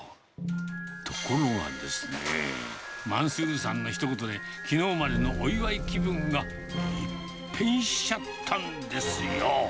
ところがですね、マンスールさんのひと言で、きのうまでのお祝い気分が一変しちゃったんですよ。